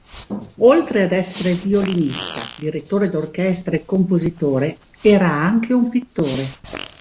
Oltre ad essere violinista, direttore d'orchestra e compositore, era anche un pittore.